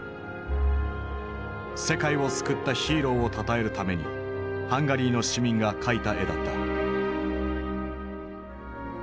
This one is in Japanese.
世界を救ったヒーローをたたえるためにハンガリーの市民が描いた絵だった。